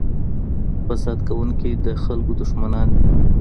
فساد کوونکي د خلګو دښمنان دي.